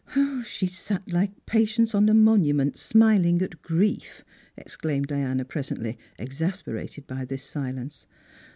"' She sat like Patience on a monument, smiling at grief,' " exclaimed Diana presently, exasperated by this silence.